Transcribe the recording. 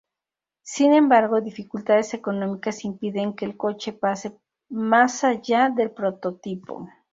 Sin embargo, dificultades económicas impiden que el coche pase más allá del prototipo.